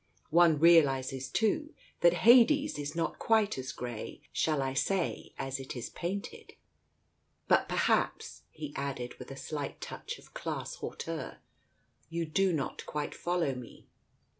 One realizes, too, that Hades is not quite as grey, shall I say, as it is painted ! But perhaps," he added, with a slight touch of class hauteur, "you do not quite foHow me